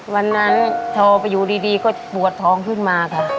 วันนั้นพอไปอยู่ดีก็ปวดท้องขึ้นมาค่ะ